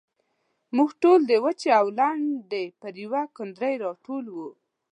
موږ ټول د وچې او لندې پر يوه کوندرې راټول وو.